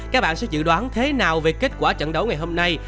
các bạn sẽ dự đoán thế nào về kết quả trận đấu ngày hôm nay